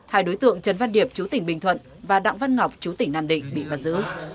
hai đối tượng trần văn điệp chú tỉnh bình thuận và đặng văn ngọc chú tỉnh nam định bị bắt giữ